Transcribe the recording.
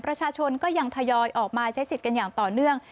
ประชาชนก็ยังทยอยออกมาใช้สิทธิ์กันอย่างต่อเนื่อง